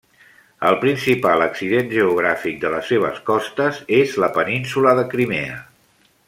El principal accident geogràfic de les seves costes és la península de Crimea.